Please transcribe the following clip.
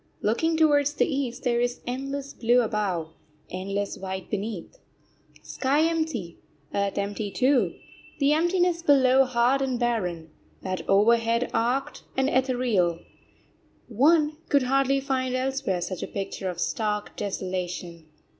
Looking towards the East, there is endless blue above, endless white beneath. Sky empty, earth empty too the emptiness below hard and barren, that overhead arched and ethereal one could hardly find elsewhere such a picture of stark desolation.